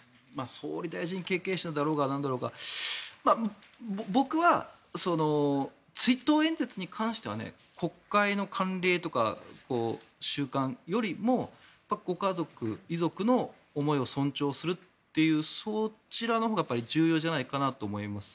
総理大臣経験者だろうがなんだろうが僕は追悼演説に関しては国会の慣例とか習慣よりもご家族、遺族の思いを尊重するという、そちらのほうが重要じゃないかなと思います。